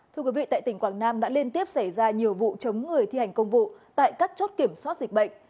thưa quý vị tại tỉnh quảng nam đã liên tiếp xảy ra nhiều vụ chống người thi hành công vụ tại các chốt kiểm soát dịch bệnh